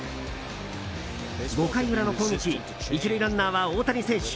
５回裏の攻撃、１塁ランナーは大谷選手。